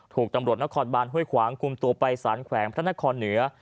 ถูกตำรวจนครบานห้วยขวางคุมตัวไปสารแขวงพระนครเหนือ